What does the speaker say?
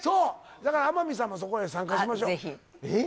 だから天海さんもそこへ参加しましょうあっ